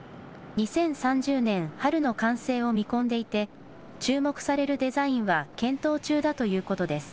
２０３０年春の完成を見込んでいて、注目されるデザインは検討中だということです。